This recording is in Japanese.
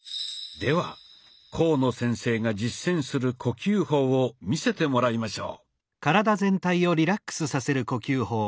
では甲野先生が実践する呼吸法を見せてもらいましょう。